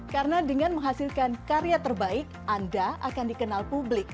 karena dengan menghasilkan karya terbaik anda akan dikenal publik